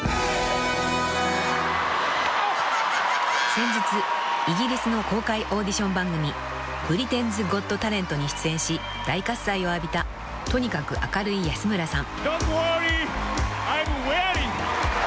［先日イギリスの公開オーディション番組『ブリテンズ・ゴット・タレント』に出演し大喝采を浴びたとにかく明るい安村さん］